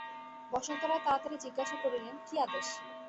বসন্ত রায় তাড়াতাড়ি জিজ্ঞাসা করিলেন, কী আদেশ?